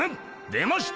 出ました。